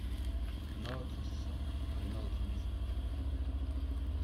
Notre sang et notre maison.